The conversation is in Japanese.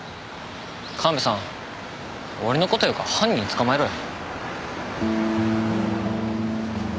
神戸さん俺の事よか犯人捕まえろよ。